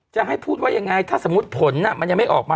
จะให้พูดว่ายังไงถ้าสมมุติผลมันยังไม่ออกมา